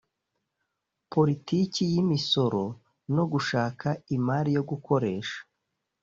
politiki y'imisoro no gushaka imari yo gukoresha